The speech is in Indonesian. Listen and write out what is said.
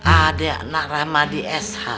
ada anak rahmat di sh